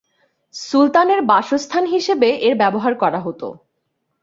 সুলতানের বাসস্থান হিসেবে এর ব্যবহার করা হতো।